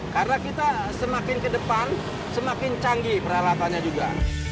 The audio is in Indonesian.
karena kita semakin ke depan semakin canggih peralatannya juga